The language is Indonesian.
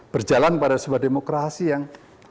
berjalan pada sebuah demokrasi yang